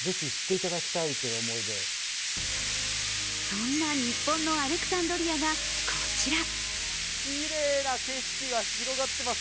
そんな日本のアレクサンドリアがこちら。